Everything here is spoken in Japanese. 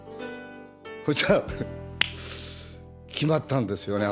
そしたら決まったんですよね